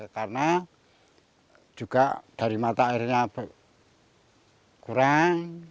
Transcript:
karena juga dari mata airnya kurang